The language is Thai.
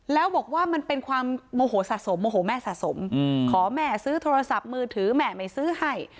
แล้วบอกว่ามันเป็นความโมโหสะสมโมโหแม่สะสมขอแม่ซื้อโทรศัพท์มือถือแม่ไม่ซื้อให้